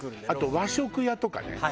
あと和食屋とかね。